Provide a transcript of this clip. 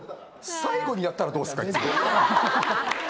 最後にやったらどうですか？